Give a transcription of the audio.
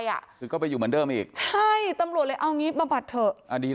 อยู่เหมือนเดิมอีกใช่ตำรวจเลยเอางี้บำบัดเถอะ